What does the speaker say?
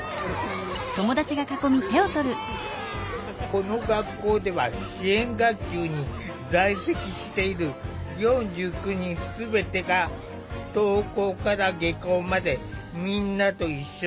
この学校では支援学級に在籍している４９人全てが登校から下校までみんなと一緒に過ごしている。